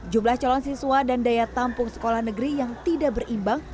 jumlah calon siswa dan daya tampung sekolah negeri yang tidak berimbang